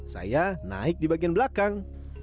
saya naik di bagian belakang